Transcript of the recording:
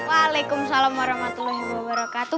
waalaikumsalam warahmatullahi wabarakatuh